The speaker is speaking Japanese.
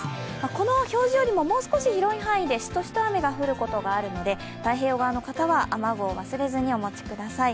この表示よりももう少し広い範囲でしとしと雨が降る可能性があるので太平洋側の方は雨具を忘れずにお持ちください。